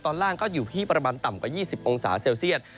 ตอนล่างก็อยู่ที่ประมาณต่ำกว่า๒๐องศาเซลเซียต